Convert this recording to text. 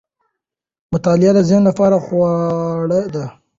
مطالعه د ذهن لپاره خواړه دي.